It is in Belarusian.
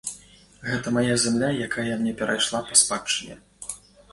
Гэта мая зямля, якая мне перайшла па спадчыне.